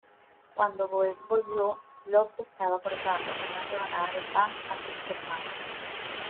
Cuando Goethe volvió, Lotte estaba cortando unas rebanadas de pan a sus hermanos.